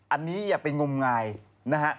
อันนี้อย่าไปงมงายนะฮะ